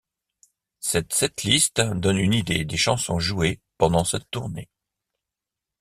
Cette setlist donne une idée des chansons jouées pendant cette tournée.